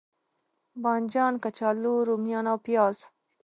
بانجان، کچالو، روميان او پیاز